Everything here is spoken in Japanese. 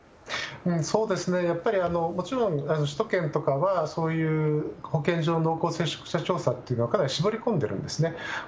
そうですね、やっぱりもちろん、首都圏とかは、そういう保健所の濃厚接触者調査というのは、かなり絞り込んでるんですね。